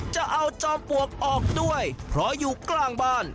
จะเอาจอมปลวกออกด้วยเพราะอยู่กลางบ้าน